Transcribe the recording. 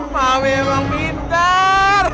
mam emang bintar